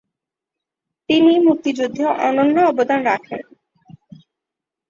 তিনি মুক্তিযুদ্ধে অনন্য অবদান রাখেন।